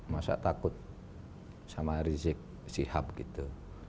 masa takut sama rizik sihab gitu